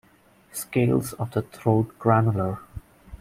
Scales of the throat granular.